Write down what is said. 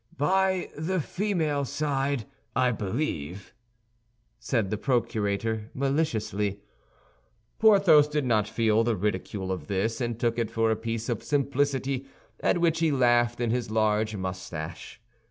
"By the female side, I believe?" said the procurator, maliciously. Porthos did not feel the ridicule of this, and took it for a piece of simplicity, at which he laughed in his large mustache.